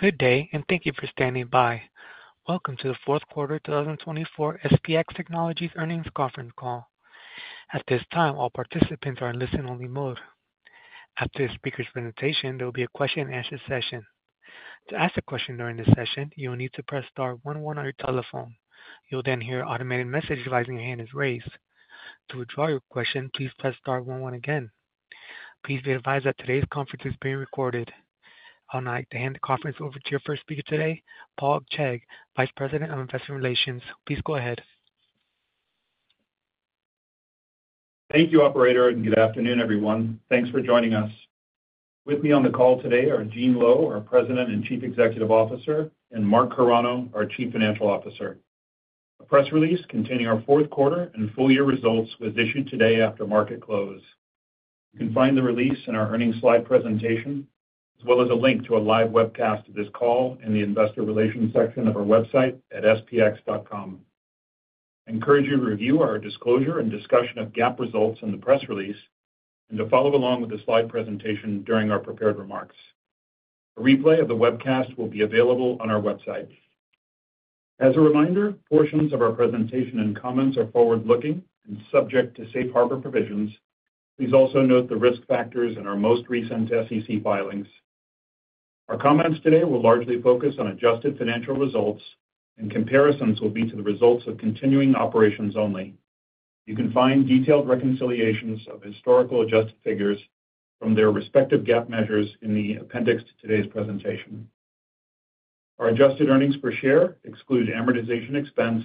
Good day, and thank you for standing by. Welcome to the Q4 2024 SPX Technologies Earnings Conference Call. At this time, all participants are in listen-only mode. After the speaker's presentation, there will be a question-and-answer session. To ask a question during this session, you will need to press star one one on your telephone. You will then hear an automated message advising your hand is raised. To withdraw your question, please press star one one again. Please be advised that today's conference is being recorded. I would now like to hand the conference over to your first speaker today, Paul Clegg, Vice President of Investor Relations. Please go ahead. Thank you, Operator, and good afternoon, everyone. Thanks for joining us. With me on the call today are Gene Lowe, our President and Chief Executive Officer, and Mark Carano, our Chief Financial Officer. A press release containing our Q4 and full-year results was issued today after market close. You can find the release in our earnings slide presentation, as well as a link to a live webcast of this call in the Investor Relations section of our website at spx.com. I encourage you to review our disclosure and discussion of GAAP results in the press release and to follow along with the slide presentation during our prepared remarks. A replay of the webcast will be available on our website. As a reminder, portions of our presentation and comments are forward-looking and subject to safe harbor provisions. Please also note the risk factors in our most recent SEC filings. Our comments today will largely focus on adjusted financial results, and comparisons will be to the results of continuing operations only. You can find detailed reconciliations of historical adjusted figures from their respective GAAP measures in the appendix to today's presentation. Our adjusted earnings per share exclude amortization expense,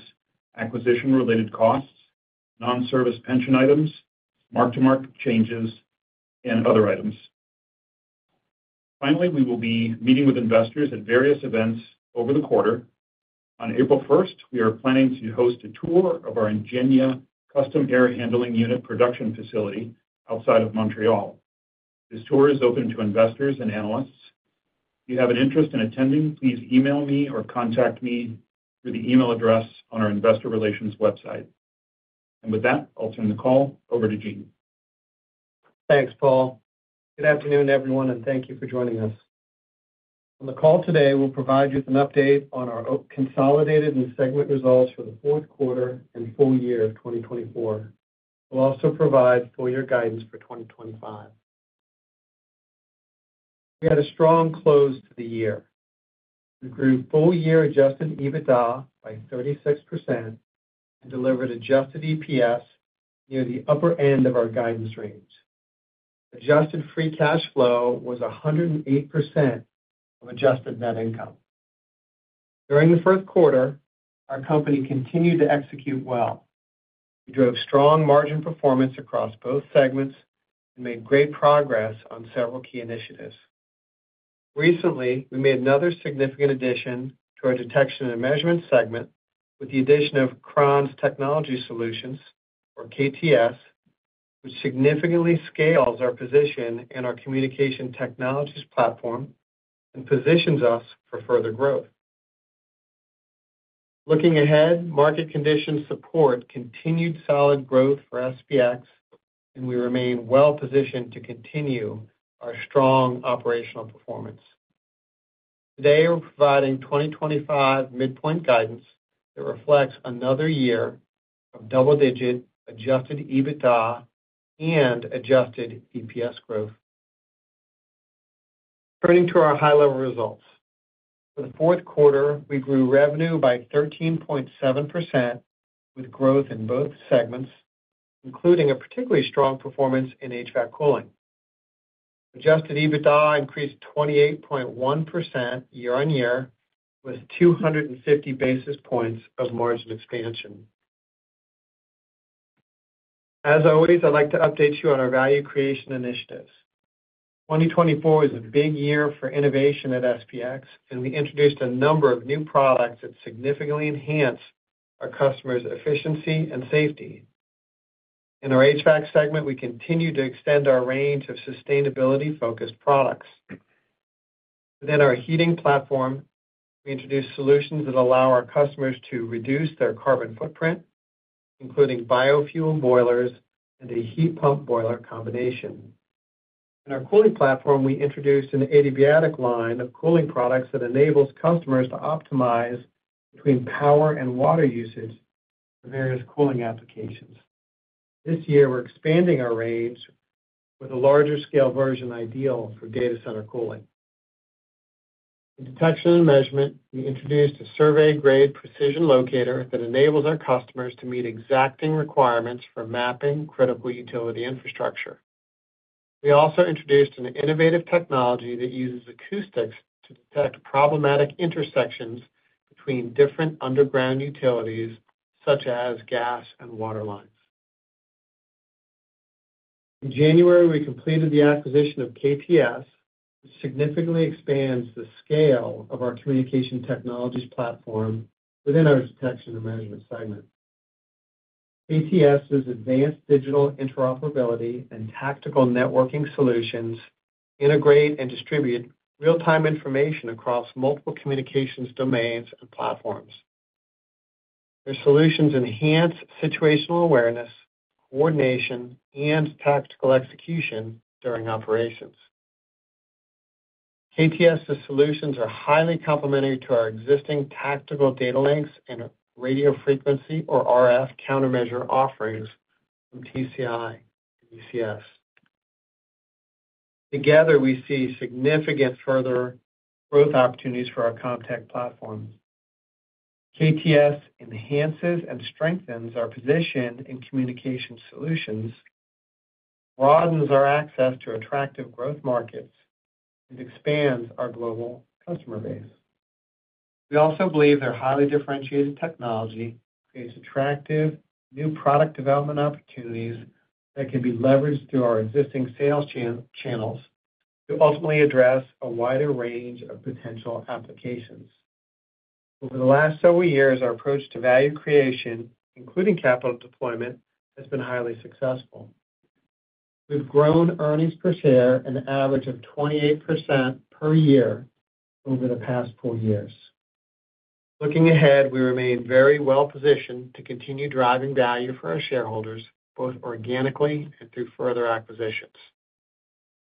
acquisition-related costs, non-service pension items, mark-to-market changes, and other items. Finally, we will be meeting with investors at various events over the quarter. On April 1st, we are planning to host a tour of our Ingenia custom air handling unit production facility outside of Montreal. This tour is open to investors and analysts. If you have an interest in attending, please email me or contact me through the email address on our Investor Relations website. And with that, I'll turn the call over to Gene. Thanks, Paul. Good afternoon, everyone, and thank you for joining us. On the call today, we'll provide you with an update on our consolidated and segment results for the Q4 and full year of 2024. We'll also provide full-year guidance for 2025. We had a strong close to the year. We grew full-year Adjusted EBITDA by 36% and delivered Adjusted EPS near the upper end of our guidance range. Adjusted free cash flow was 108% of adjusted net income. During the Q1, our company continued to execute well. We drove strong margin performance across both segments and made great progress on several key initiatives. Recently, we made another significant addition to our detection and measurement segment with the addition of Crons Technology Solutions, or KTS, which significantly scales our position in our communication technologies platform and positions us for further growth. Looking ahead, market conditions support continued solid growth for SPX, and we remain well-positioned to continue our strong operational performance. Today, we're providing 2025 midpoint guidance that reflects another year of double-digit Adjusted EBITDA and Adjusted EPS growth. Turning to our high-level results, for the Q4, we grew revenue by 13.7% with growth in both segments, including a particularly strong performance in HVAC cooling. Adjusted EBITDA increased 28.1% year-on-year, with 250 basis points of margin expansion. As always, I'd like to update you on our value creation initiatives. 2024 is a big year for innovation at SPX, and we introduced a number of new products that significantly enhance our customers' efficiency and safety. In our HVAC segment, we continue to extend our range of sustainability-focused products. Within our heating platform, we introduced solutions that allow our customers to reduce their carbon footprint, including biofuel boilers and a heat pump-boiler combination. In our cooling platform, we introduced an adiabatic line of cooling products that enables customers to optimize between power and water usage for various cooling applications. This year, we're expanding our range with a larger scale version ideal for data center cooling. In detection and measurement, we introduced a survey-grade precision locator that enables our customers to meet exacting requirements for mapping critical utility infrastructure. We also introduced an innovative technology that uses acoustics to detect problematic intersections between different underground utilities, such as gas and water lines. In January, we completed the acquisition of KTS, which significantly expands the scale of our communication technologies platform within our detection and measurement segment. KTS's advanced digital interoperability and tactical networking solutions integrate and distribute real-time information across multiple communications domains and platforms. Their solutions enhance situational awareness, coordination, and tactical execution during operations. KTS's solutions are highly complementary to our existing tactical data links and radio frequency, or RF, countermeasure offerings from TCI and ECS. Together, we see significant further growth opportunities for our ComTech platforms. KTS enhances and strengthens our position in communication solutions, broadens our access to attractive growth markets, and expands our global customer base. We also believe their highly differentiated technology creates attractive new product development opportunities that can be leveraged through our existing sales channels to ultimately address a wider range of potential applications. Over the last several years, our approach to value creation, including capital deployment, has been highly successful. We've grown earnings per share an average of 28% per year over the past four years. Looking ahead, we remain very well-positioned to continue driving value for our shareholders, both organically and through further acquisitions.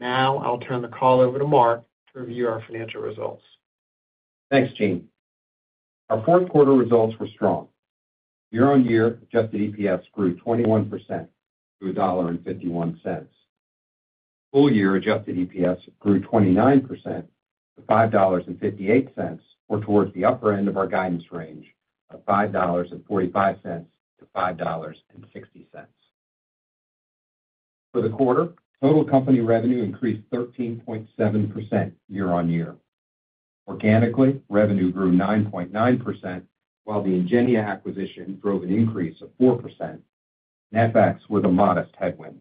Now, I'll turn the call over to Mark to review our financial results. Thanks, Gene. Our Q4 results were strong. year-on-year, adjusted EPS grew 21% to $1.51. Full-year adjusted EPS grew 29% to $5.58, or towards the upper end of our guidance range of $5.45 to 5.60. For the quarter, total company revenue increased 13.7% year-on-year. Organically, revenue grew 9.9%, while the Ingenia acquisition drove an increase of 4%, and FX was a modest headwind.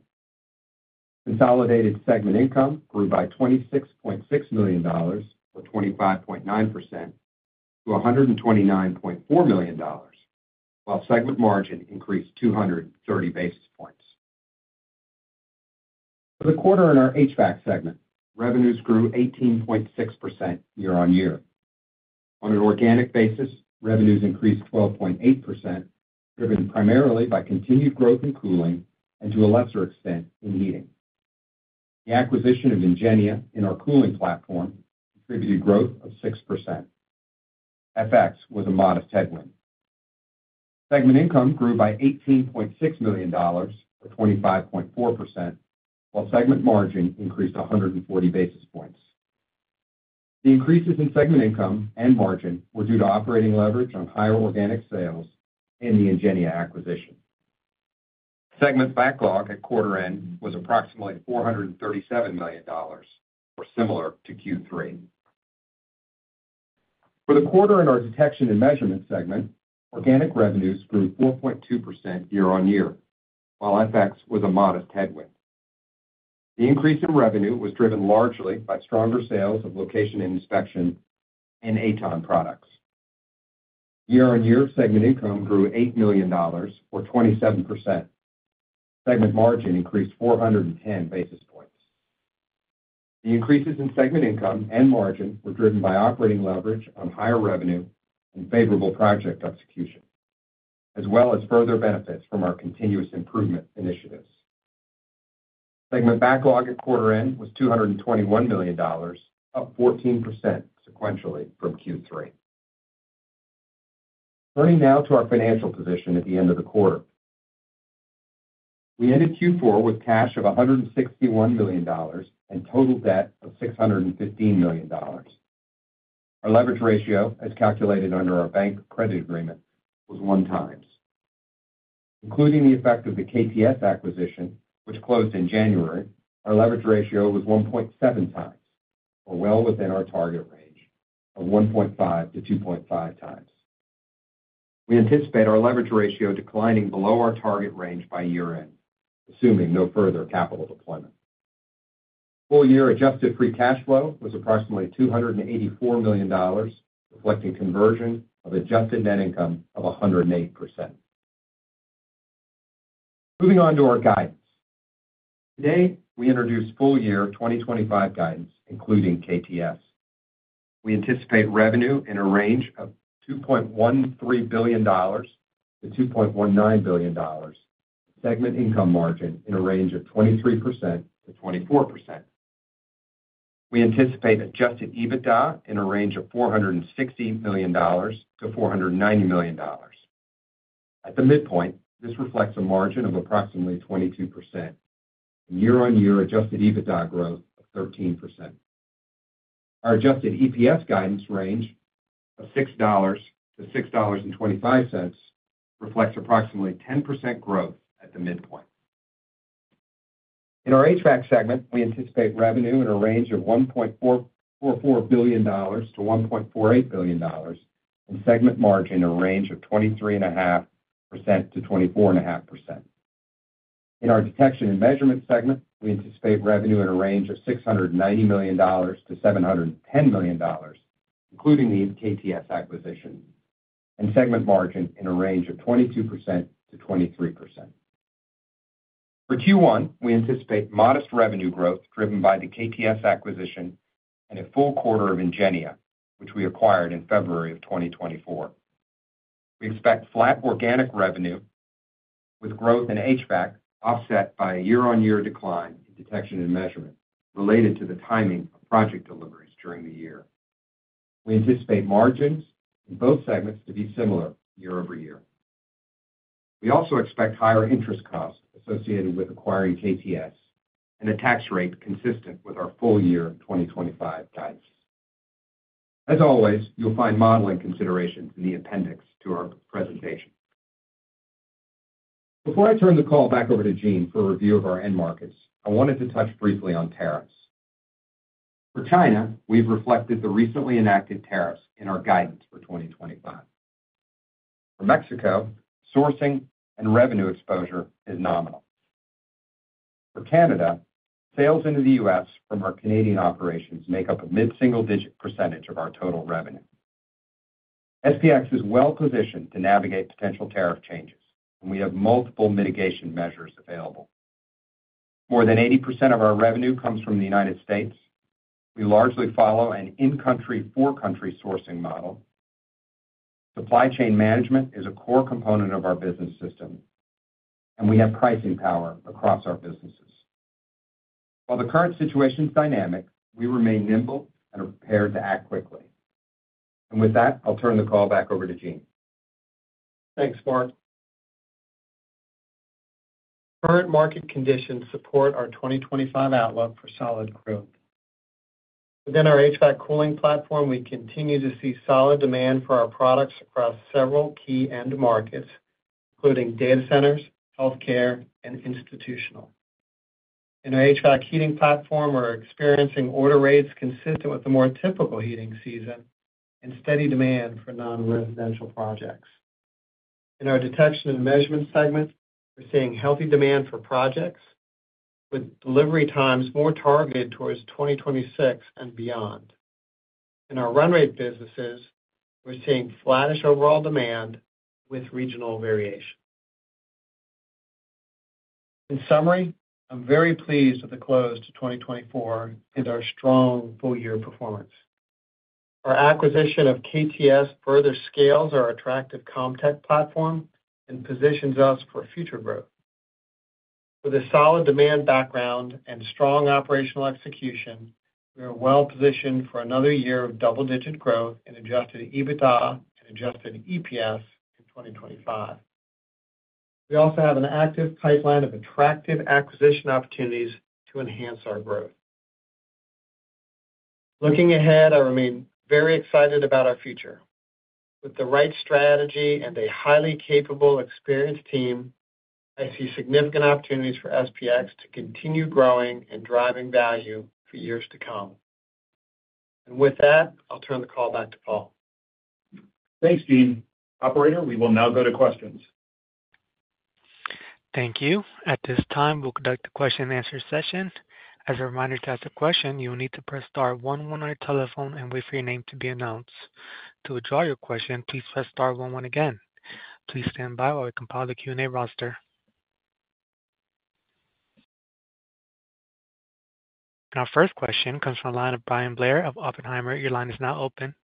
Consolidated segment income grew by $26.6 million, or 25.9%, to $129.4 million, while segment margin increased 230 basis points. For the quarter in our HVAC segment, revenues grew 18.6% year-on-year. On an organic basis, revenues increased 12.8%, driven primarily by continued growth in cooling and to a lesser extent in heating. The acquisition of Ingenia in our cooling platform contributed growth of 6%. FX was a modest headwind. Segment income grew by $18.6 million, or 25.4%, while segment margin increased 140 basis points. The increases in segment income and margin were due to operating leverage on higher organic sales and the Ingenia acquisition. Segment backlog at quarter-end was approximately $437 million, or similar to Q3. For the quarter in our detection and measurement segment, organic revenues grew 4.2% year-on-year, while FX was a modest headwind. The increase in revenue was driven largely by stronger sales of location inspection and AtoN products. Year-on-year, segment income grew $8 million, or 27%. Segment margin increased 410 basis points. The increases in segment income and margin were driven by operating leverage on higher revenue and favorable project execution, as well as further benefits from our continuous improvement initiatives. Segment backlog at quarter-end was $221 million, up 14% sequentially from Q3. Turning now to our financial position at the end of the quarter. We ended Q4 with cash of $161 million and total debt of $615 million. Our leverage ratio, as calculated under our bank credit agreement, was one times. Including the effect of the KTS acquisition, which closed in January, our leverage ratio was 1.7 times, or well within our target range of 1.5 to 2.5 times. We anticipate our leverage ratio declining below our target range by year-end, assuming no further capital deployment. Full-year adjusted free cash flow was approximately $284 million, reflecting conversion of adjusted net income of 108%. Moving on to our guidance. Today, we introduced full-year 2025 guidance, including KTS. We anticipate revenue in a range of $2.13 billion-$2.19 billion, segment income margin in a range of 23%-24%. We anticipate adjusted EBITDA in a range of $460 million-$490 million. At the midpoint, this reflects a margin of approximately 22%, year-on-year adjusted EBITDA growth of 13%. Our adjusted EPS guidance range of $6 to 6.25 reflects approximately 10% growth at the midpoint. In our HVAC segment, we anticipate revenue in a range of $1.44 to 1.48 billion, and segment margin in a range of 23.5% to 24.5%. In our detection and measurement segment, we anticipate revenue in a range of $690 to 710 million, including the KTS acquisition, and segment margin in a range of 22% to 23%. For Q1, we anticipate modest revenue growth driven by the KTS acquisition and a full quarter of Ingenia, which we acquired in February of 2024. We expect flat organic revenue, with growth in HVAC offset by a year-on-year decline in detection and measurement related to the timing of project deliveries during the year. We anticipate margins in both segments to be similar year-over-year. We also expect higher interest costs associated with acquiring KTS and a tax rate consistent with our full-year 2025 guidance. As always, you'll find modeling considerations in the appendix to our presentation. Before I turn the call back over to Gene for a review of our end markets, I wanted to touch briefly on tariffs. For China, we've reflected the recently enacted tariffs in our guidance for 2025. For Mexico, sourcing and revenue exposure is nominal. For Canada, sales into the US from our Canadian operations make up a mid-single digit percentage of our total revenue. SPX is well-positioned to navigate potential tariff changes, and we have multiple mitigation measures available. More than 80% of our revenue comes from the United States. We largely follow an in-country, for-country sourcing model. Supply chain management is a core component of our business system, and we have pricing power across our businesses. While the current situation is dynamic, we remain nimble and are prepared to act quickly, and with that, I'll turn the call back over to Gene. Thanks, Mark. Current market conditions support our 2025 outlook for solid growth. Within our HVAC cooling platform, we continue to see solid demand for our products across several key end markets, including data centers, healthcare, and institutional. In our HVAC heating platform, we're experiencing order rates consistent with the more typical heating season and steady demand for non-residential projects. In our detection and measurement segment, we're seeing healthy demand for projects, with delivery times more targeted towards 2026 and beyond. In our run rate businesses, we're seeing flattish overall demand with regional variation. In summary, I'm very pleased with the close to 2024 and our strong full-year performance. Our acquisition of KTS further scales our attractive ComTech platform and positions us for future growth. With a solid demand background and strong operational execution, we are well-positioned for another year of double-digit growth in adjusted EBITDA and adjusted EPS in 2025. We also have an active pipeline of attractive acquisition opportunities to enhance our growth. Looking ahead, I remain very excited about our future. With the right strategy and a highly capable, experienced team, I see significant opportunities for SPX to continue growing and driving value for years to come, and with that, I'll turn the call back to Paul. Thanks, Gene. Operator, we will now go to questions. Thank you. At this time, we'll conduct a question-and-answer session. As a reminder to ask a question, you will need to press star one one on your telephone and wait for your name to be announced. To withdraw your question, please press star one one again. Please stand by while we compile the Q&A roster. Our first question comes from the line of Bryan Blair of Oppenheimer. Your line is now open.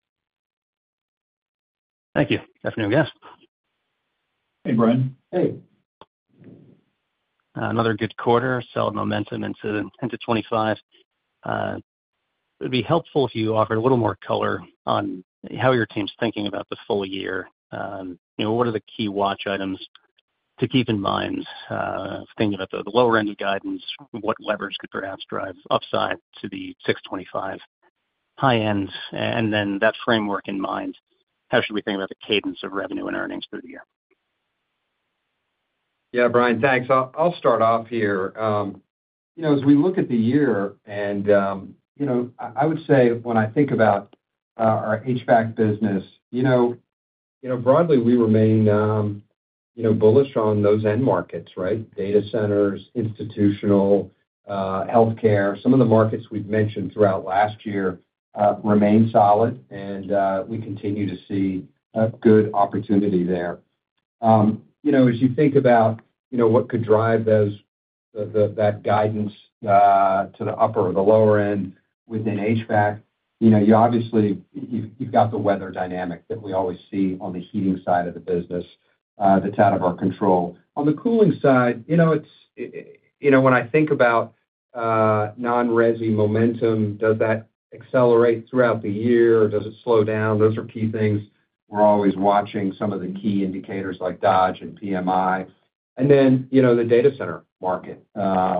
Thank you. Good afternoon, guys. Hey, Bryan. Hey. Another good quarter, solid momentum into 2025. It would be helpful if you offered a little more color on how your team's thinking about the full year. What are the key watch items to keep in mind? Thinking about the lower end of guidance, what levers could perhaps drive upside to the 625 high end? And then that framework in mind, how should we think about the cadence of revenue and earnings through the year? Yeah, Bryan, thanks. I'll start off here. As we look at the year, and I would say when I think about our HVAC business, broadly, we remain bullish on those end markets, right? Data centers, institutional, healthcare. Some of the markets we've mentioned throughout last year remain solid, and we continue to see good opportunity there. As you think about what could drive that guidance to the upper or the lower end within HVAC, obviously, you've got the weather dynamic that we always see on the heating side of the business that's out of our control. On the cooling side, when I think about non-resi momentum, does that accelerate throughout the year or does it slow down? Those are key things we're always watching, some of the key indicators like Dodge and PMI. And then the data center market,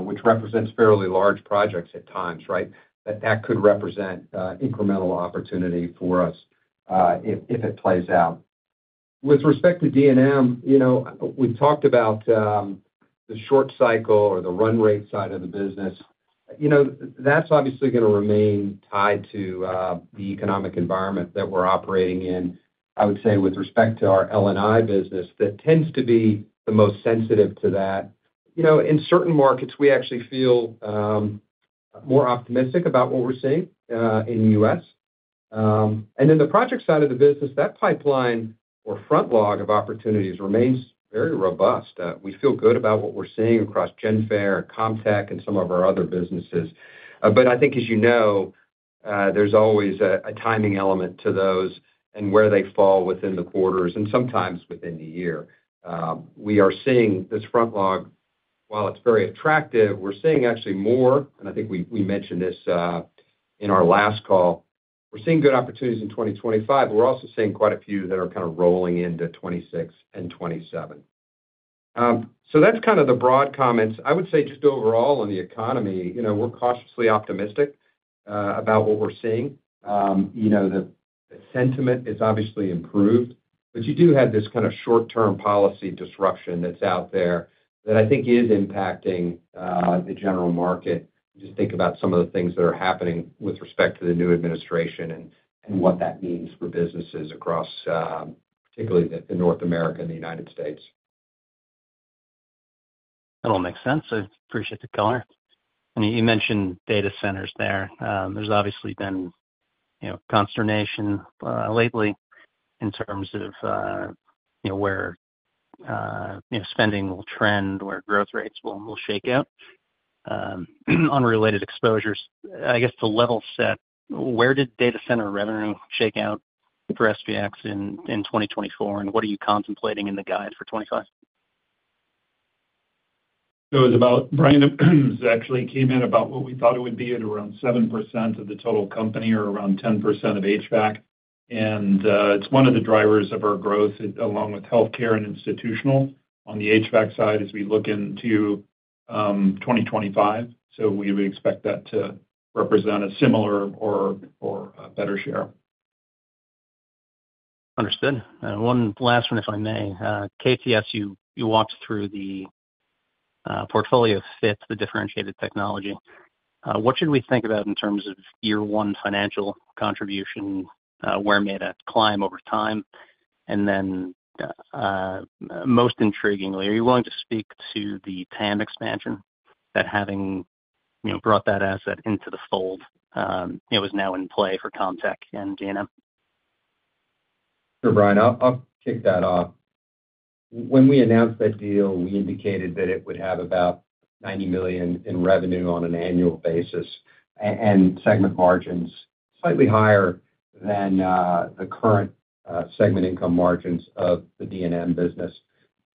which represents fairly large projects at times, right? That could represent incremental opportunity for us if it plays out. With respect to D&M, we've talked about the short cycle or the run rate side of the business. That's obviously going to remain tied to the economic environment that we're operating in. I would say with respect to our L&I business, that tends to be the most sensitive to that. In certain markets, we actually feel more optimistic about what we're seeing in the US And in the project side of the business, that pipeline or front log of opportunities remains very robust. We feel good about what we're seeing across Genfare and ComTech and some of our other businesses. But I think, as you know, there's always a timing element to those and where they fall within the quarters and sometimes within the year. We are seeing this backlog, while it's very attractive, we're seeing actually more, and I think we mentioned this in our last call. We're seeing good opportunities in 2025, but we're also seeing quite a few that are kind of rolling into 2026 and 2027. So that's kind of the broad comments. I would say just overall in the economy, we're cautiously optimistic about what we're seeing. The sentiment is obviously improved, but you do have this kind of short-term policy disruption that's out there that I think is impacting the general market. Just think about some of the things that are happening with respect to the new administration and what that means for businesses across particularly North America and the United States. That all makes sense. I appreciate the color. And you mentioned data centers there. There's obviously been consternation lately in terms of where spending will trend, where growth rates will shake out. Unrelated exposures. I guess to level set, where did data center revenue shake out for SPX in 2024, and what are you contemplating in the guide for 2025? It was about Bryan actually came in about what we thought it would be at around 7% of the total company or around 10% of HVAC, and it's one of the drivers of our growth, along with healthcare and institutional on the HVAC side as we look into 2025, so we would expect that to represent a similar or better share. Understood. One last one, if I may. KTS, you walked through the portfolio fits, the differentiated technology. What should we think about in terms of year-one financial contribution, where it made a climb over time? And then most intriguingly, are you willing to speak to the TAM expansion that having brought that asset into the fold was now in play for ComTech and D&M? Sure, Bryan. I'll kick that off. When we announced that deal, we indicated that it would have about $90 million in revenue on an annual basis and segment margins slightly higher than the current segment income margins of the D&M business.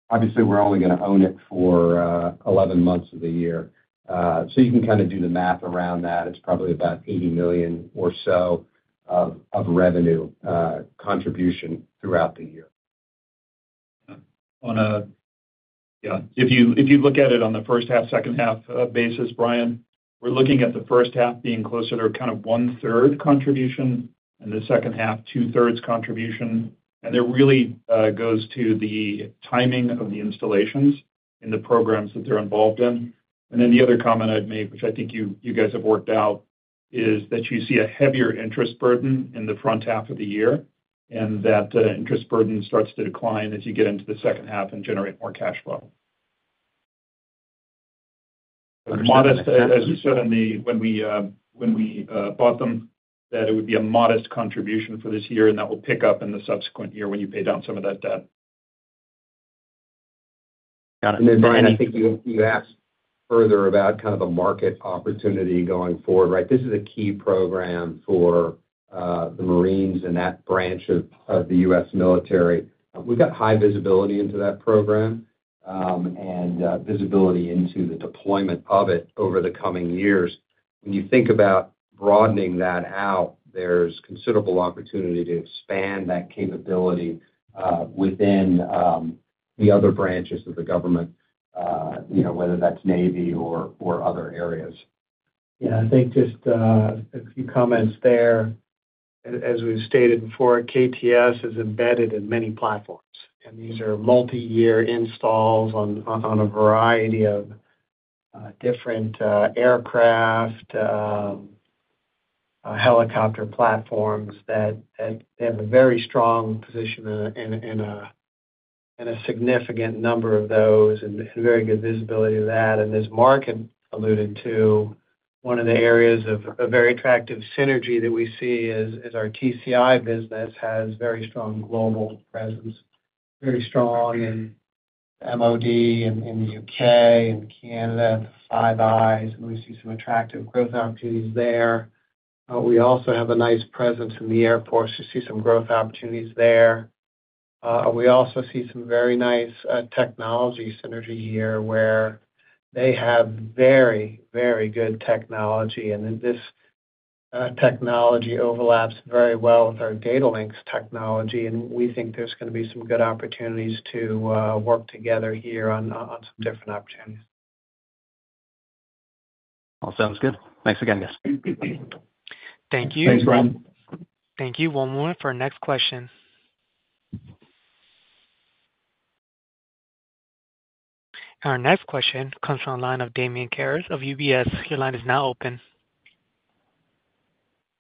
Obviously, we're only going to own it for 11 months of the year. So you can kind of do the math around that. It's probably about $80 million or so of revenue contribution throughout the year. Yeah. If you look at it on the first half, second half basis, Bryan, we're looking at the first half being closer to kind of one-third contribution and the second half, two-thirds contribution, and it really goes to the timing of the installations in the programs that they're involved in. And then the other comment I'd make, which I think you guys have worked out, is that you see a heavier interest burden in the front half of the year and that interest burden starts to decline as you get into the second half and generate more cash flow. As you said, when we bought them, that it would be a modest contribution for this year and that will pick up in the subsequent year when you pay down some of that debt. Got it. Then, Bryan, I think you asked further about kind of a market opportunity going forward, right? This is a key program for the Marines and that branch of the US military. We've got high visibility into that program and visibility into the deployment of it over the coming years. When you think about broadening that out, there's considerable opportunity to expand that capability within the other branches of the government, whether that's Navy or other areas. Yeah, I think just a few comments there. As we've stated before, KTS is embedded in many platforms, and these are multi-year installs on a variety of different aircraft helicopter platforms that have a very strong position in a significant number of those and very good visibility of that. And as Mark had alluded to, one of the areas of a very attractive synergy that we see is our TCI business has very strong global presence, very strong in MoD in the UK and Canada, the Five Eyes, and we see some attractive growth opportunities there. We also have a nice presence in the Air Force. We see some growth opportunities there. We also see some very nice technology synergy here where they have very, very good technology. And then this technology overlaps very well with our data links technology, and we think there's going to be some good opportunities to work together here on some different opportunities. All sounds good. Thanks again, guys. Thank you. Thanks, Bryan. Thank you. One moment for our next question. Our next question comes from the line of Damian Karas of UBS. Your line is now open.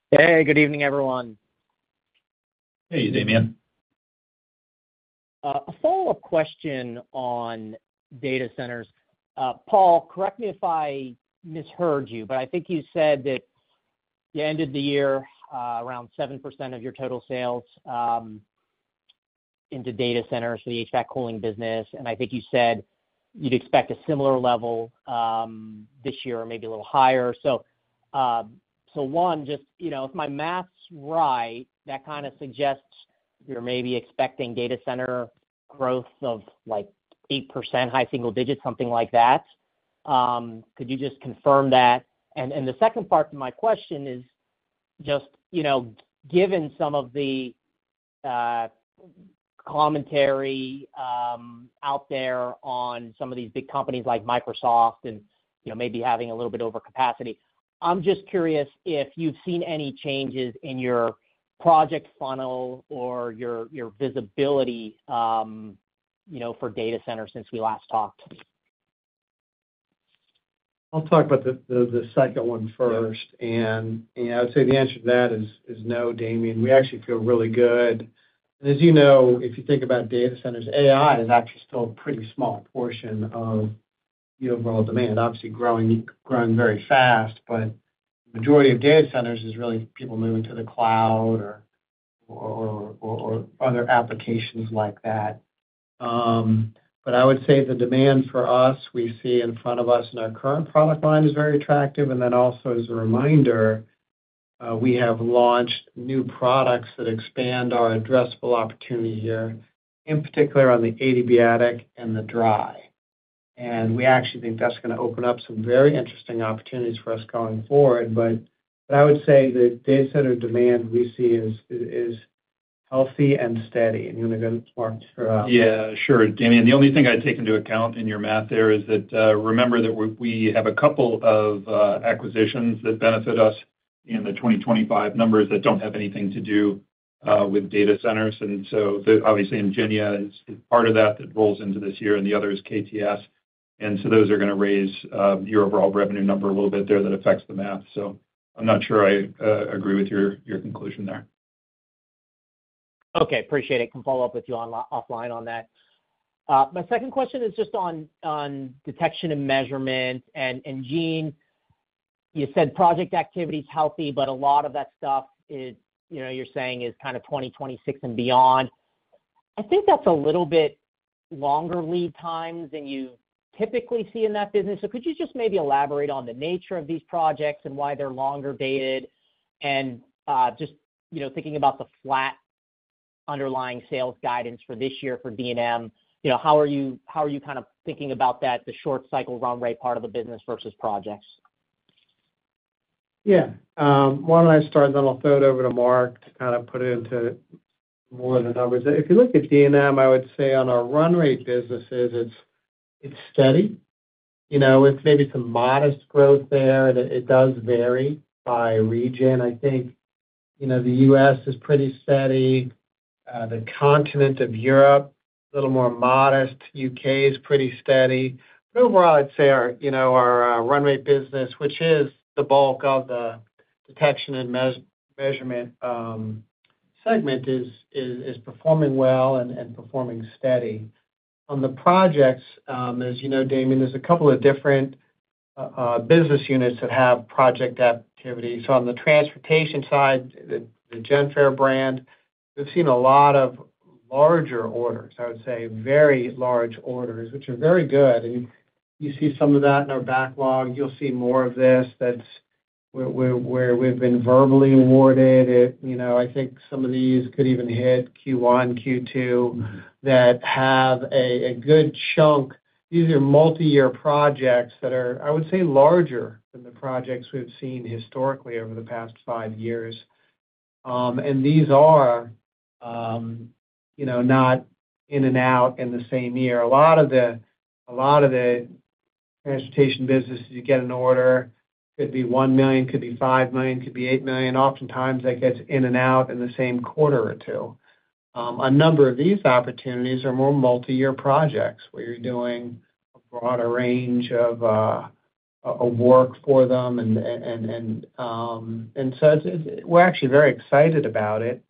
Hey, good evening, everyone. Hey, Damien. A follow-up question on data centers. Paul, correct me if I misheard you, but I think you said that you ended the year around 7% of your total sales into data centers, the HVAC cooling business. And I think you said you'd expect a similar level this year, maybe a little higher. So one, just if my math's right, that kind of suggests you're maybe expecting data center growth of like 8%, high single digits, something like that. Could you just confirm that? And the second part of my question is just given some of the commentary out there on some of these big companies like Microsoft and maybe having a little bit over capacity, I'm just curious if you've seen any changes in your project funnel or your visibility for data centers since we last talked. I'll talk about the second one first, and I would say the answer to that is no, Damian. We actually feel really good, and as you know, if you think about data centers, AI is actually still a pretty small portion of the overall demand. Obviously, growing very fast, but the majority of data centers is really people moving to the cloud or other applications like that, but I would say the demand for us we see in front of us in our current product line is very attractive, and then also, as a reminder, we have launched new products that expand our addressable opportunity here, in particular on the adiabatic and the dry, and we actually think that's going to open up some very interesting opportunities for us going forward, but I would say the data center demand we see is healthy and steady. And you want to go to Mark throughout. Yeah, sure. Damian, the only thing I take into account in your math there is that remember that we have a couple of acquisitions that benefit us in the 2025 numbers that don't have anything to do with data centers. And so obviously, Ingenia is part of that that rolls into this year, and the other is KTS. And so those are going to raise your overall revenue number a little bit there that affects the math. So I'm not sure I agree with your conclusion there. Okay. Appreciate it. Can follow up with you offline on that. My second question is just on detection and measurement. And Gene, you said project activity is healthy, but a lot of that stuff you're saying is kind of 2026 and beyond. I think that's a little bit longer lead times than you typically see in that business. So could you just maybe elaborate on the nature of these projects and why they're longer dated? And just thinking about the flat underlying sales guidance for this year for D&M, how are you kind of thinking about that, the short cycle run rate part of the business versus projects? Yeah. Why don't I start? Then I'll throw it over to Mark to kind of put it into more of the numbers. If you look at D&M, I would say on our run rate businesses, it's steady. It's maybe some modest growth there. It does vary by region. I think the US is pretty steady. The continent of Europe, a little more modest. UK is pretty steady. But overall, I'd say our run rate business, which is the bulk of the detection and measurement segment, is performing well and performing steady. On the projects, as you know, Damian, there's a couple of different business units that have project activity. So on the transportation side, the Genfare brand, we've seen a lot of larger orders, I would say, very large orders, which are very good, and you see some of that in our backlog. You'll see more of this where we've been verbally awarded. I think some of these could even hit Q1, Q2 that have a good chunk. These are multi-year projects that are, I would say, larger than the projects we've seen historically over the past five years. These are not in and out in the same year. A lot of the transportation businesses you get an order could be $1 million, could be $5 million, could be $8 million. Oftentimes, that gets in and out in the same quarter or two. A number of these opportunities are more multi-year projects where you're doing a broader range of work for them. We're actually very excited about it.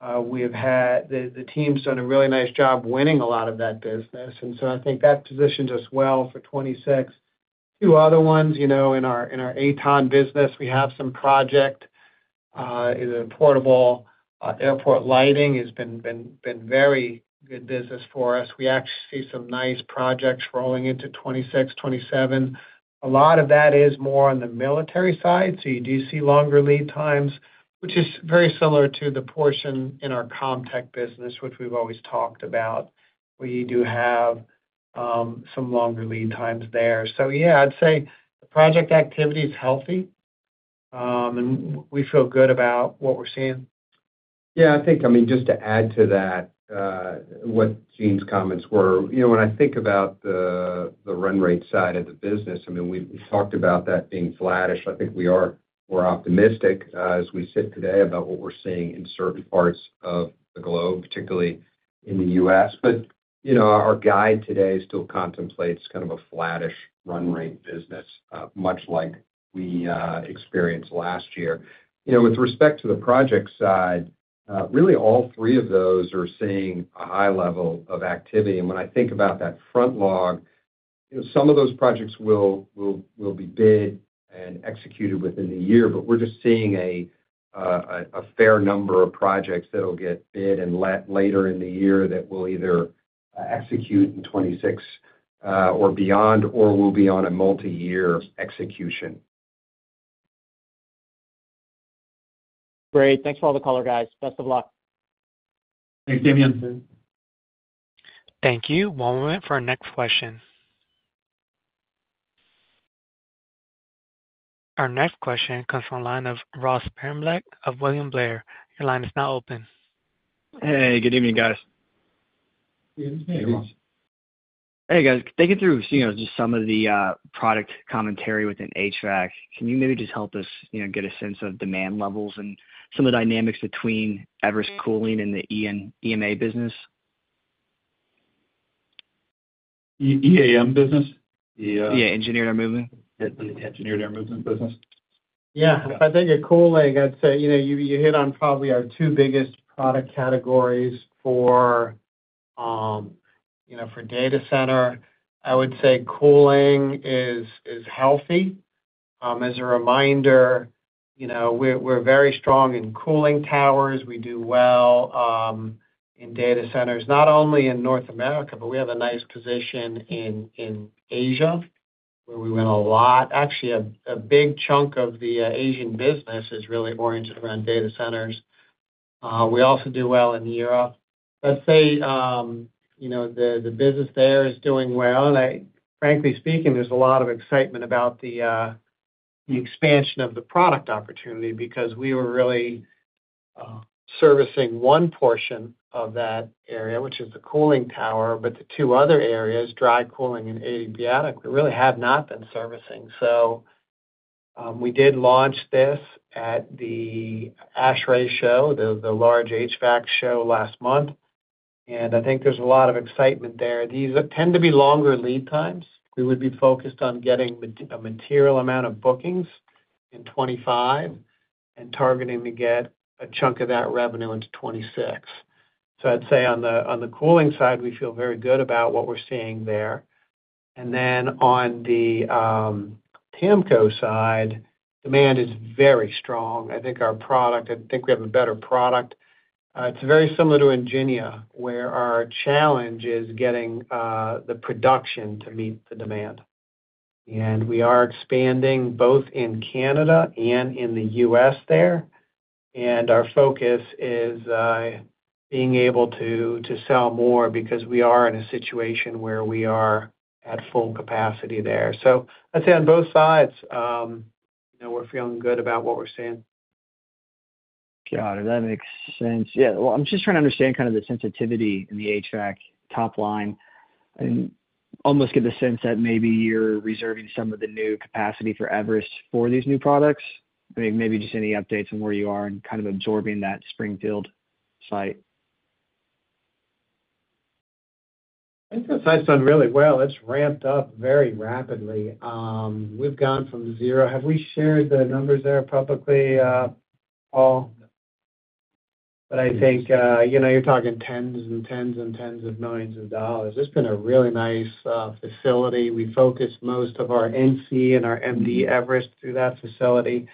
The team's done a really nice job winning a lot of that business. I think that positions us well for 2026. Two other ones in our AtoN business, we have some project in the portable airport lighting has been very good business for us. We actually see some nice projects rolling into 2026, 2027. A lot of that is more on the military side. So you do see longer lead times, which is very similar to the portion in our ComTech business, which we've always talked about. We do have some longer lead times there. So yeah, I'd say the project activity is healthy, and we feel good about what we're seeing. Yeah. I think, I mean, just to add to that, what Gene's comments were, when I think about the run rate side of the business, I mean, we've talked about that being flattish. I think we are more optimistic as we sit today about what we're seeing in certain parts of the globe, particularly in the US But our guide today still contemplates kind of a flattish run rate business, much like we experienced last year. With respect to the project side, really all three of those are seeing a high level of activity. And when I think about that backlog, some of those projects will be bid and executed within the year, but we're just seeing a fair number of projects that will get bid later in the year that will either execute in 2026 or beyond or will be on a multi-year execution. Great. Thanks for all the color, guys. Best of luck. Thanks, Damien. Thank you. One moment for our next question. Our next question comes from the line of Ross Sparenblek of William Blair. Your line is now open. Hey, good evening, guys. Hey, guys. Hey, guys. Thinking through just some of the product commentary within HVAC, can you maybe just help us get a sense of demand levels and some of the dynamics between Everest cooling and the EMA business? EAM business? Yeah. Yeah, engineered air movement? Engineered air movement business. Yeah. If I think of cooling, I'd say you hit on probably our two biggest product categories for data center. I would say cooling is healthy. As a reminder, we're very strong in cooling towers. We do well in data centers, not only in North America, but we have a nice position in Asia where we do a lot. Actually, a big chunk of the Asian business is really oriented around data centers. We also do well in Europe. Let's say the business there is doing well. Frankly speaking, there's a lot of excitement about the expansion of the product opportunity because we were really servicing one portion of that area, which is the cooling tower, but the two other areas, dry cooling and adiabatic, we really have not been servicing. So we did launch this at the ASHRAE show, the large HVAC show last month. I think there's a lot of excitement there. These tend to be longer lead times. We would be focused on getting a material amount of bookings in 2025 and targeting to get a chunk of that revenue into 2026. I'd say on the cooling side, we feel very good about what we're seeing there. On the TAMCO side, demand is very strong. I think our product, I think we have a better product. It's very similar to Ingenia, where our challenge is getting the production to meet the demand. We are expanding both in Canada and in the US there. Our focus is being able to sell more because we are in a situation where we are at full capacity there. I'd say on both sides, we're feeling good about what we're seeing. Got it. That makes sense. Yeah. Well, I'm just trying to understand kind of the sensitivity in the HVAC top line. I almost get the sense that maybe you're reserving some of the new capacity for Everest for these new products. I mean, maybe just any updates on where you are and kind of absorbing that Springfield site. I think the site's done really well. It's ramped up very rapidly. We've gone from zero. Have we shared the numbers there publicly, Paul? But I think you're talking tens and tens and tens of millions of dollars. It's been a really nice facility. We focus most of our NC and our MD Everest through that facility.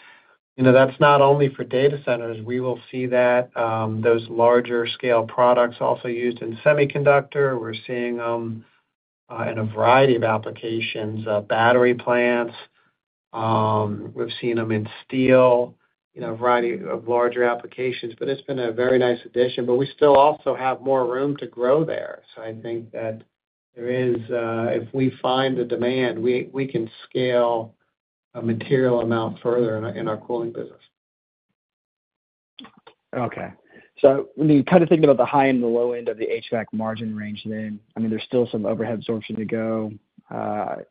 That's not only for data centers. We will see those larger scale products also used in semiconductor. We're seeing them in a variety of applications, battery plants. We've seen them in steel, a variety of larger applications. But it's been a very nice addition, but we still also have more room to grow there. So I think that if we find the demand, we can scale a material amount further in our cooling business. Okay. So when you're kind of thinking about the high and the low end of the HVAC margin range then, I mean, there's still some overhead absorption to go. If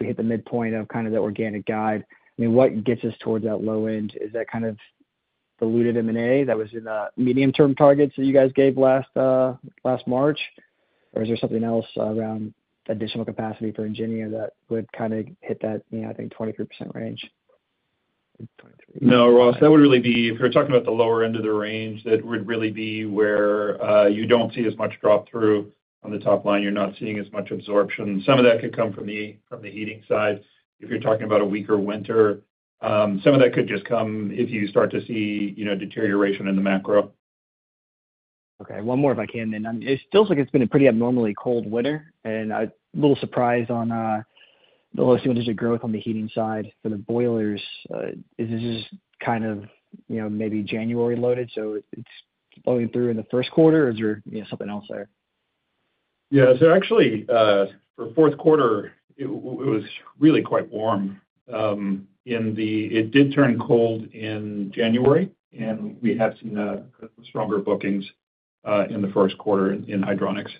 we hit the midpoint of kind of the organic guide, I mean, what gets us towards that low end? Is that kind of the recent M&A that was in the medium-term targets that you guys gave last March? Or is there something else around additional capacity for Ingenia that would kind of hit that, I think, 23% range? No, Ross, that would really be if you're talking about the lower end of the range, that would really be where you don't see as much drop through on the top line. You're not seeing as much absorption. Some of that could come from the heating side. If you're talking about a weaker winter, some of that could just come if you start to see deterioration in the macro. Okay. One more if I can then. It feels like it's been a pretty abnormally cold winter, and a little surprise on the low single-digit growth on the heating side for the boilers. Is this kind of maybe January loaded? So it's flowing through in the Q1, or is there something else there? Yeah, so actually, for Q4, it was really quite warm. It did turn cold in January, and we had some stronger bookings in the Q1 in hydronics.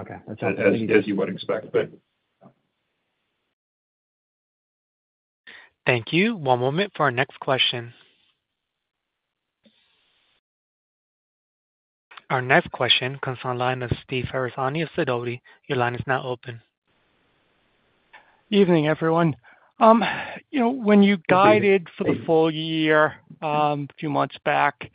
Okay. That's helpful. As you would expect, but. Thank you. One moment for our next question. Our next question comes from the line of Steve Ferazani of Sidoti & Company. Your line is now open. Evening, everyone. When you guided for the full year a few months back,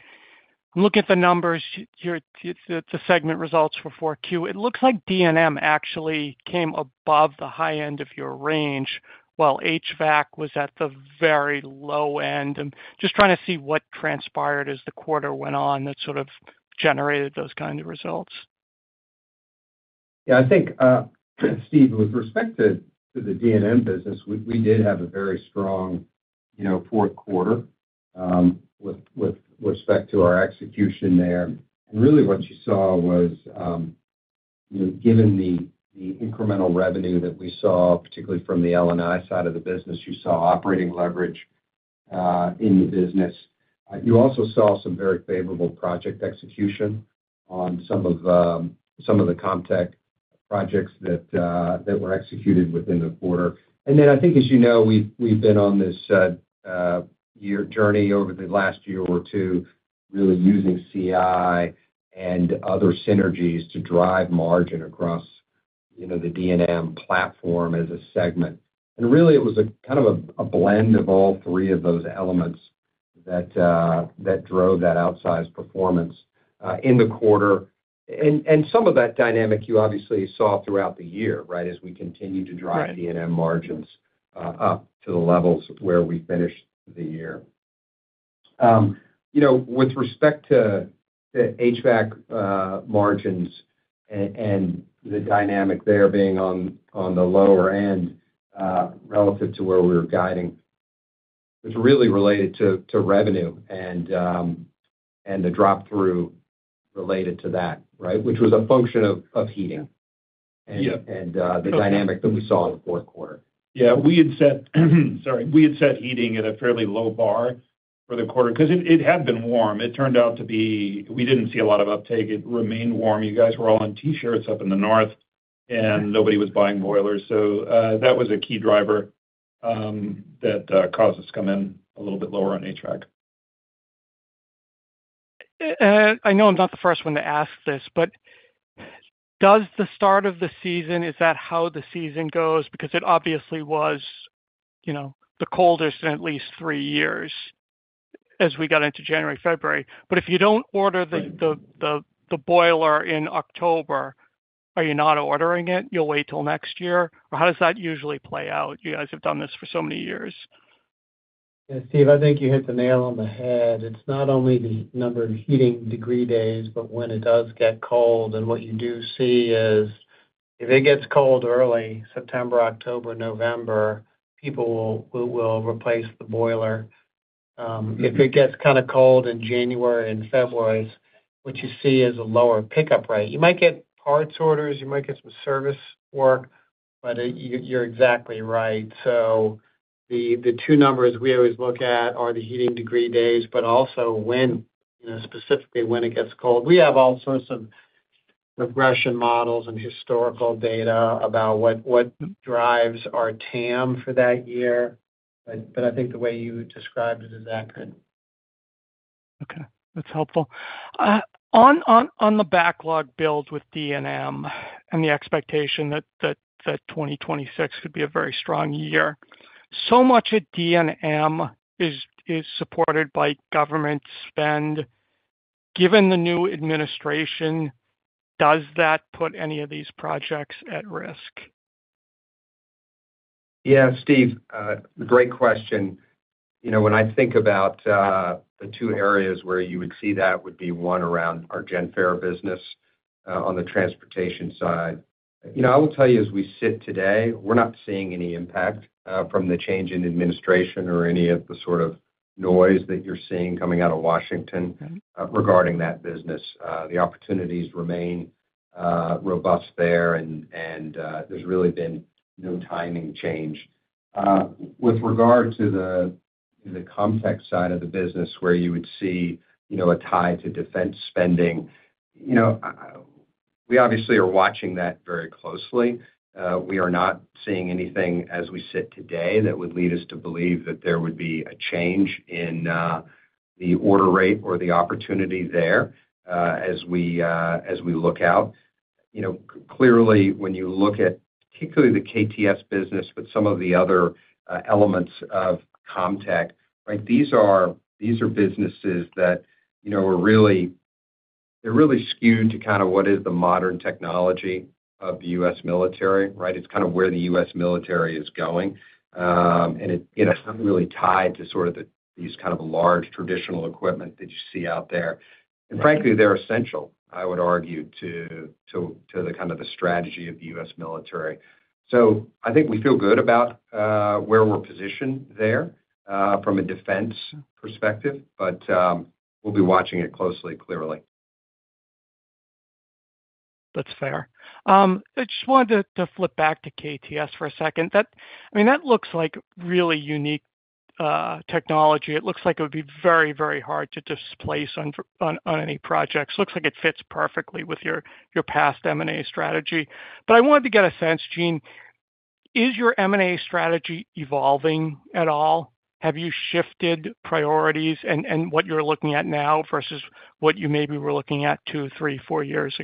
I'm looking at the numbers here. It's a segment results for 4Q. It looks like D&M actually came above the high end of your range, while HVAC was at the very low end. I'm just trying to see what transpired as the quarter went on that sort of generated those kinds of results. Yeah. I think, Steve, with respect to the D&M business, we did have a very strong Q4 with respect to our execution there, and really what you saw was, given the incremental revenue that we saw, particularly from the L&I side of the business, you saw operating leverage in the business. You also saw some very favorable project execution on some of the ComTech projects that were executed within the quarter, and then I think, as you know, we've been on this journey over the last year or two, really using CI and other synergies to drive margin across the D&M platform as a segment, and really, it was kind of a blend of all three of those elements that drove that outsized performance in the quarter. Some of that dynamic you obviously saw throughout the year, right, as we continued to drive D&M margins up to the levels where we finished the year. With respect to the HVAC margins and the dynamic there being on the lower end relative to where we were guiding, it's really related to revenue and the drop through related to that, right, which was a function of heating and the dynamic that we saw in the Q4. We had set heating at a fairly low bar for the quarter because it had been warm. It turned out to be we didn't see a lot of uptake. It remained warm. You guys were all in T-shirts up in the north, and nobody was buying boilers. So that was a key driver that caused us to come in a little bit lower on HVAC. I know I'm not the first one to ask this, but does the start of the season, is that how the season goes? Because it obviously was the coldest in at least three years as we got into January, February. But if you don't order the boiler in October, are you not ordering it? You'll wait till next year? Or how does that usually play out? You guys have done this for so many years. Yeah. Steve, I think you hit the nail on the head. It's not only the number of heating degree days, but when it does get cold, and what you do see is if it gets cold early, September, October, November, people will replace the boiler. If it gets kind of cold in January and February, what you see is a lower pickup rate. You might get parts orders. You might get some service work, but you're exactly right, so the two numbers we always look at are the heating degree days, but also specifically when it gets cold. We have all sorts of regression models and historical data about what drives our TAM for that year, but I think the way you described it is accurate. Okay. That's helpful. On the backlog build with D&M and the expectation that 2026 could be a very strong year, so much of D&M is supported by government spend. Given the new administration, does that put any of these projects at risk? Yeah. Steve, great question. When I think about the two areas where you would see that would be one around our Genfare business on the transportation side. I will tell you, as we sit today, we're not seeing any impact from the change in administration or any of the sort of noise that you're seeing coming out of Washington regarding that business. The opportunities remain robust there, and there's really been no timing change. With regard to the ComTech side of the business, where you would see a tie to defense spending, we obviously are watching that very closely. We are not seeing anything as we sit today that would lead us to believe that there would be a change in the order rate or the opportunity there as we look out. Clearly, when you look at particularly the KTS business with some of the other elements of ComTech, right, these are businesses that are really skewed to kind of what is the modern technology of the US military, right? It's kind of where the US military is going. And it's not really tied to sort of these kind of large traditional equipment that you see out there. And frankly, they're essential, I would argue, to the kind of the strategy of the US military. So I think we feel good about where we're positioned there from a defense perspective, but we'll be watching it closely, clearly. That's fair. I just wanted to flip back to KTS for a second. I mean, that looks like really unique technology. It looks like it would be very, very hard to displace on any projects. Looks like it fits perfectly with your past M&A strategy. But I wanted to get a sense, Gene. Is your M&A strategy evolving at all? Have you shifted priorities and what you're looking at now versus what you maybe were looking at two, three, four years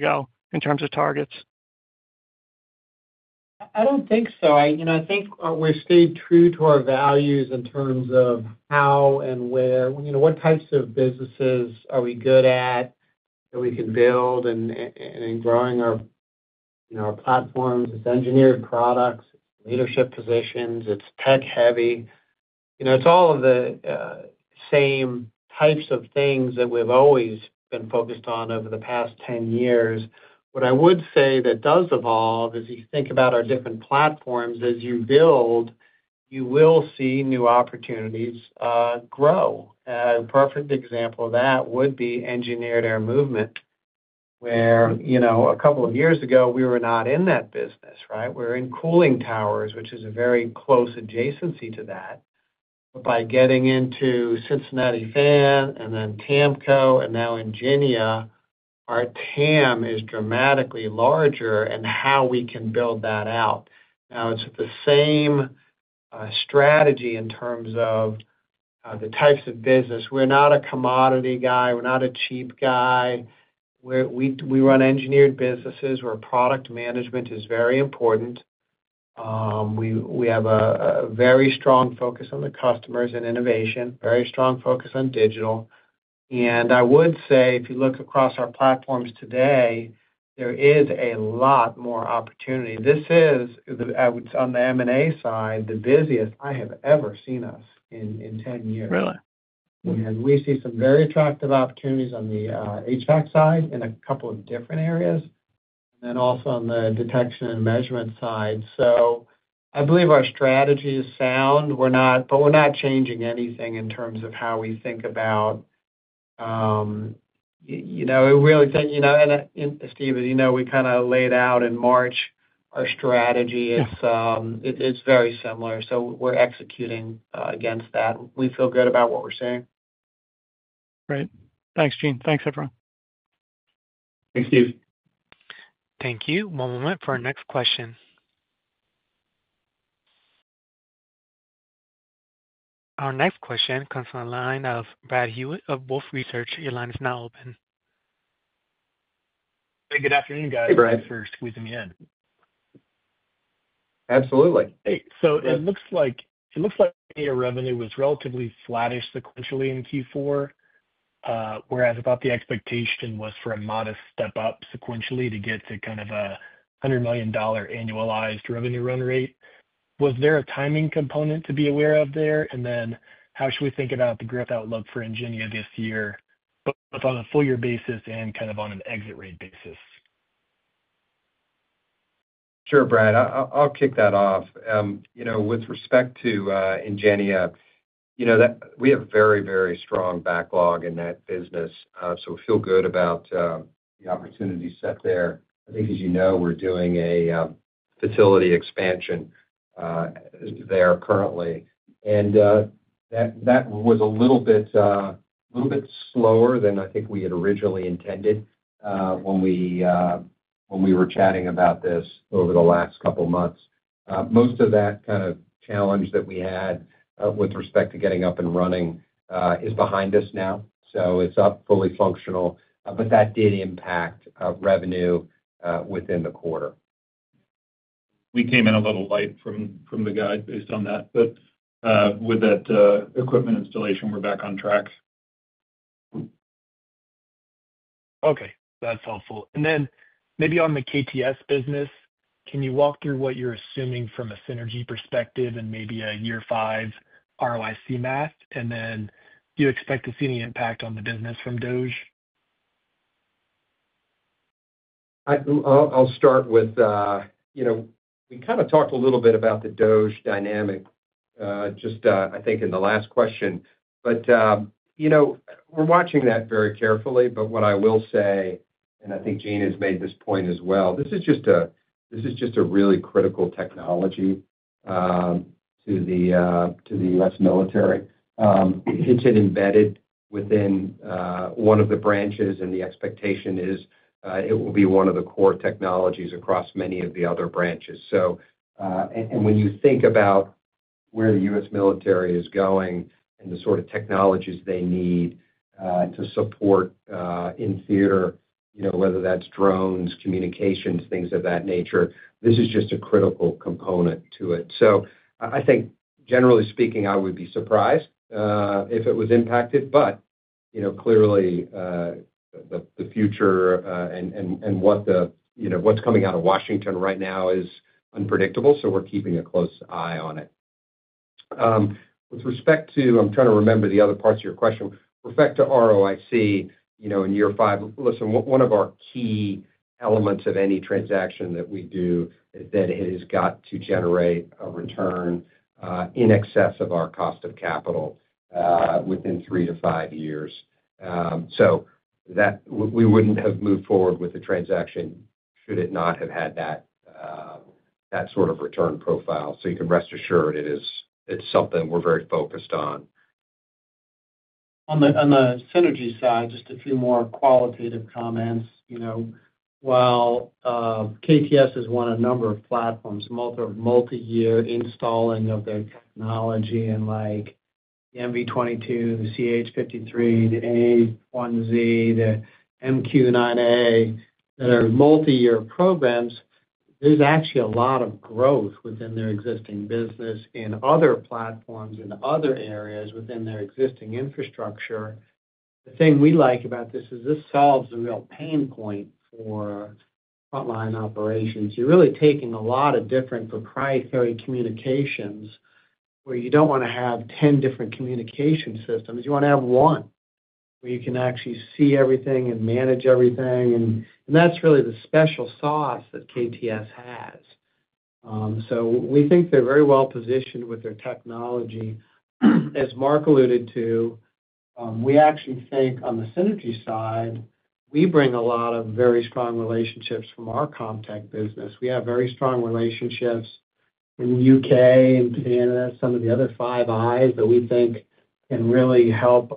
ago in terms of targets? I don't think so. I think we've stayed true to our values in terms of how and where. What types of businesses are we good at that we can build and growing our platforms? It's engineered products. It's leadership positions. It's tech-heavy. It's all of the same types of things that we've always been focused on over the past 10 years. What I would say that does evolve is you think about our different platforms. As you build, you will see new opportunities grow. A perfect example of that would be Engineered Air Movement, where a couple of years ago, we were not in that business, right? We were in cooling towers, which is a very close adjacency to that. But by getting into Cincinnati Fan and then TAMCO and now Ingenia, our TAM is dramatically larger in how we can build that out. Now, it's the same strategy in terms of the types of business. We're not a commodity guy. We're not a cheap guy. We run engineered businesses where product management is very important. We have a very strong focus on the customers and innovation, very strong focus on digital. And I would say if you look across our platforms today, there is a lot more opportunity. This is, on the M&A side, the busiest I have ever seen us in 10 years. And we see some very attractive opportunities on the HVAC side in a couple of different areas, and then also on the detection and measurement side. So I believe our strategy is sound, but we're not changing anything in terms of how we think about it really. And Steve, as you know, we kind of laid out in March our strategy. It's very similar. So we're executing against that. We feel good about what we're saying. Great. Thanks, Gene. Thanks, everyone. Thanks, Steve. Thank you. One moment for our next question. Our next question comes from the line of Brad Hewitt of Wolfe Research. Your line is now open. Hey, good afternoon, guys. Thanks for squeezing me in. Absolutely. Hey. So it looks like your revenue was relatively flattish sequentially in Q4, whereas I thought the expectation was for a modest step up sequentially to get to kind of a $100 million annualized revenue run rate. Was there a timing component to be aware of there? And then how should we think about the growth outlook for Ingenia this year, both on a full-year basis and kind of on an exit rate basis? Sure, Brad. I'll kick that off. With respect to Ingenia, we have a very, very strong backlog in that business. So we feel good about the opportunity set there. I think, as you know, we're doing a facility expansion there currently. And that was a little bit slower than I think we had originally intended when we were chatting about this over the last couple of months. Most of that kind of challenge that we had with respect to getting up and running is behind us now. So it's up, fully functional. But that did impact revenue within the quarter. We came in a little late from the guide based on that. But with that equipment installation, we're back on track. Okay. That's helpful. And then maybe on the KTS business, can you walk through what you're assuming from a synergy perspective and maybe a year five ROIC math? And then do you expect to see any impact on the business from Dodge? I'll start with, we kind of talked a little bit about the Dodge dynamic just, I think, in the last question. But we're watching that very carefully. But what I will say, and I think Gene has made this point as well, this is just a really critical technology to the US military. It's embedded within one of the branches, and the expectation is it will be one of the core technologies across many of the other branches. And when you think about where the US military is going and the sort of technologies they need to support in theater, whether that's drones, communications, things of that nature, this is just a critical component to it. So I think, generally speaking, I would be surprised if it was impacted. But clearly, the future and what's coming out of Washington, DC right now is unpredictable, so we're keeping a close eye on it. With respect to, I'm trying to remember the other parts of your question. With respect to ROIC in year five, listen, one of our key elements of any transaction that we do is that it has got to generate a return in excess of our cost of capital within three to five years. So we wouldn't have moved forward with the transaction should it not have had that sort of return profile. So you can rest assured it's something we're very focused on. On the synergy side, just a few more qualitative comments. While KTS has won a number of platforms, multi-year installing of their technology like the MV22, the CH53, the AH1Z, the MQ9A that are multi-year programs, there's actually a lot of growth within their existing business in other platforms in other areas within their existing infrastructure. The thing we like about this is this solves a real pain point for frontline operations. You're really taking a lot of different proprietary communications where you don't want to have 10 different communication systems. You want to have one where you can actually see everything and manage everything. And that's really the special sauce that KTS has. So we think they're very well positioned with their technology. As Mark alluded to, we actually think on the synergy side, we bring a lot of very strong relationships from our ComTech business. We have very strong relationships in the UK and Canada, some of the other Five Eyes that we think can really help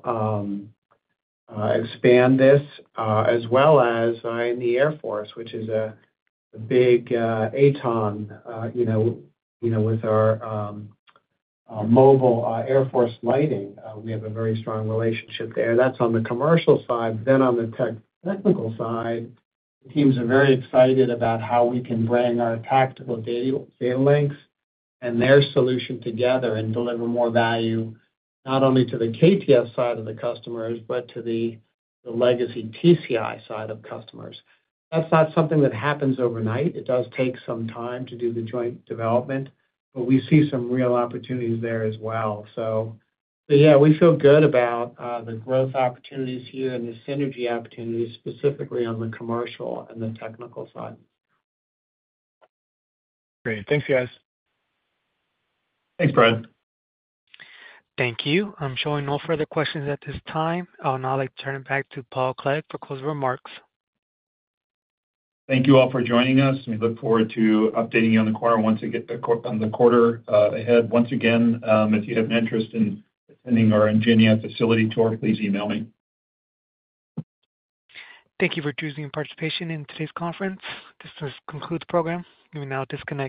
expand this, as well as in the Air Force, which is a big AtoN with our mobile Air Force lighting. We have a very strong relationship there. That's on the commercial side. But then on the technical side, the teams are very excited about how we can bring our tactical data links and their solution together and deliver more value not only to the KTS side of the customers, but to the legacy TCI side of customers. That's not something that happens overnight. It does take some time to do the joint development, but we see some real opportunities there as well. So yeah, we feel good about the growth opportunities here and the synergy opportunities specifically on the commercial and the technical side. Great. Thanks, guys. Thanks, Brad. Thank you. I'm showing no further questions at this time. I'll now like to turn it back to Paul Clegg for closing remarks. Thank you all for joining us. We look forward to updating you on the quarter, once again, on the quarter ahead. Once again, if you have an interest in attending our Ingenia facility tour, please email me. Thank you for choosing participation in today's conference. This concludes the program. We will now disconnect.